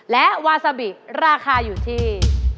และวาซาบิราคาอยู่ที่